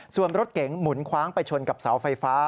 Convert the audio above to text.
ส่วนรถเก๋งหมุนคว้างไปชนกับเสาไฟฟ้า